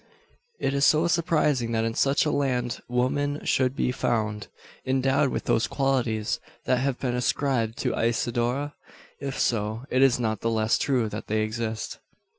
Is it surprising that in such a land women should be found, endowed with those qualities that have been ascribed to Isidora? If so, it is not the less true that they exist.